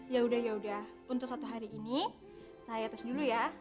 ya udah yaudah untuk satu hari ini saya tes dulu ya